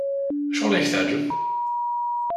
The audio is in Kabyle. Acuɣeṛ i ak-teɛǧeb?